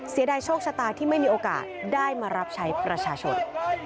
เสียดายโชคชะตาที่ไม่มีโอกาสได้มารับใช้ประชาชน